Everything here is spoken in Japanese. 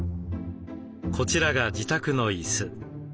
こちらが自宅の椅子。